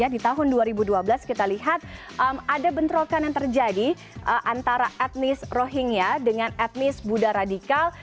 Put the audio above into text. di tahun dua ribu dua belas kita lihat ada bentrokan yang terjadi antara etnis rohingya dengan etnis buddha radikal